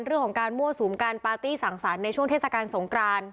เรื่องของการมั่วสุมการปาร์ตี้สั่งสรรค์ในช่วงเทศกาลสงกราน